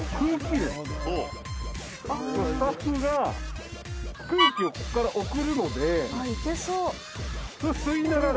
スタッフが空気をここから送るので吸いながら。